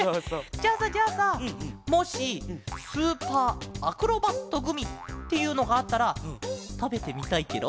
じゃあさじゃあさもしスーパーアクロバットグミっていうのがあったらたべてみたいケロ？